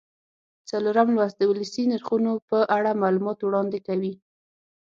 څلورم لوست د ولسي نرخونو په اړه معلومات وړاندې کوي.